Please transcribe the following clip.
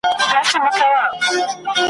جهاني در څخه ولاړم پر جانان مي سلام وایه ,